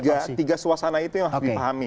karena tiga suasana itu yang harus dipahami